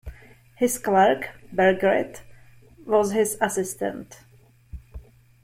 His clerk, Bergeret, was his assistant.